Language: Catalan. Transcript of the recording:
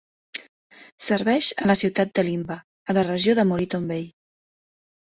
Serveix a la ciutat d'Elimbah, a la regió de Moreton Bay.